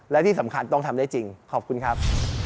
และที่สำคัญต้องทำได้จริงขอบคุณครับ